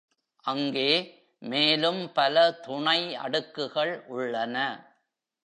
அங்கே, மேலும் பல துணை அடுக்குகள் உள்ளன.